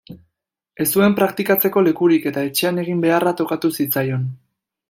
Ez zuen praktikatzeko lekurik eta etxean egin beharra tokatu zitzaion.